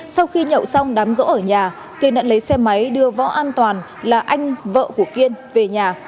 sau khi nhậu xong đám rỗ ở nhà kiên đã lấy xe máy đưa võ an toàn là anh vợ của kiên về nhà